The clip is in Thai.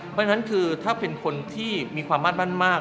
เพราะฉะนั้นคือถ้าเป็นคนที่มีความมาดมั่นมาก